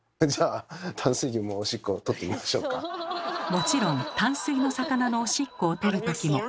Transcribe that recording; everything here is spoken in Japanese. もちろん淡水の魚のおしっこをとるときも。